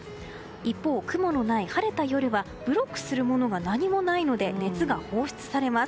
一方、雲のない晴れた夜はブロックするものが何もないので熱が放出されます。